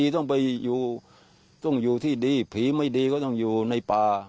ต้องอยู่ที่ดีผีไม่ดีก็ต้องอยู่ในป่า